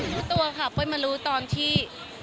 ถูกตัวค่ะไปมารู้ตอนที่